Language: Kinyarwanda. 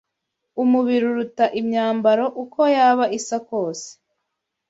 umubiri uruta imyambaro uko yaba isa kose